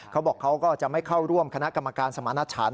เขาบอกเขาก็จะไม่เข้าร่วมคณะกรรมการสมาณฉัน